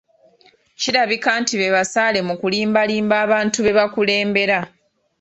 Kirabika nti be basaale mu kulimbalimba abantu be bakulembera.